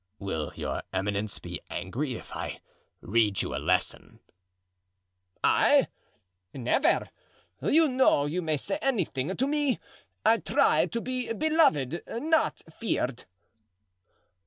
"Will your eminence be angry if I read you a lesson?" "I! never! you know you may say anything to me. I try to be beloved, not feared."